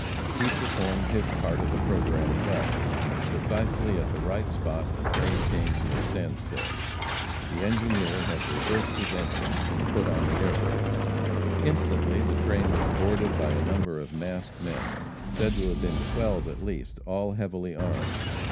He performed his part of the programme well. Precisely at the right spot the train came to a standstill. The engineer had reversed his engine and put on the air brakes. Instantly the train was boarded by a number of masked men, said to have been twelve at least, all heavily armed.